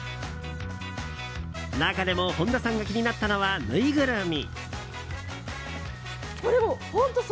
中でも本田さんが気になったのはぬいぐるみ。